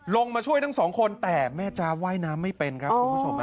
ลงมาช่วยทั้งสองคนแต่แม่จ๊าบว่ายน้ำไม่เป็นครับคุณผู้ชม